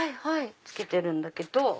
つけてるんだけど。